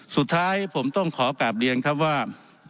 สุดท้ายผมต้องขอกลับเรียนครับว่า